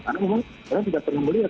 karena orang tidak pernah melihat